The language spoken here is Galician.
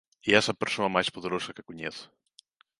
E es a persoa máis poderosa que coñezo.